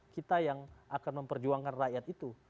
kita yang akan memperjuangkan rakyat itu